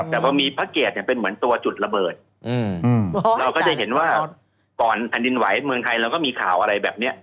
แต่พอมีพระเกตเนี่ยเป็นเหมือนตัวจุดระเบิดเราก็จะเห็นว่าก่อนแผ่นดินไหวเมืองไทยเราก็มีข่าวอะไรแบบนี้